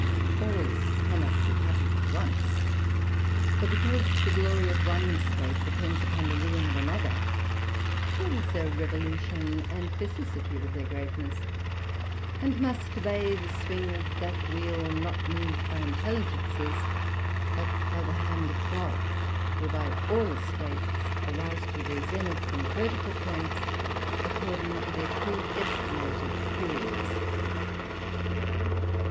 All cannot be happy at once; for, because the glory of one State depends upon the ruine of another, there is a revolution and vicissitude of their greatness, and must obey the swing of that wheel, not moved by Intelligences, but by the hand of God, whereby all Estates arise to their Zenith and Vertical points according to their predestinated periods.